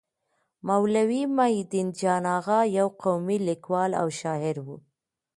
مولوي محی الدين جان اغا يو قوي لیکوال او شاعر وو.